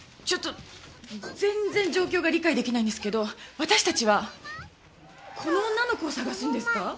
ちょっと全然状況が理解できないんですけど私たちはこの女の子を捜すんですか？